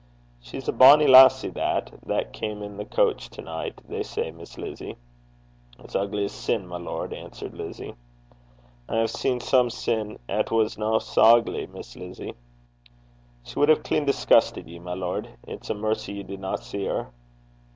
'She's a bonnie lassie that, that came in the coach to night, they say, Miss Lizzie.' 'As ugly 's sin, my lord,' answered Lizzie. 'I hae seen some sin 'at was nane sae ugly, Miss Lizzie.' 'She wad hae clean scunnert (disgusted) ye, my lord. It's a mercy ye didna see her.'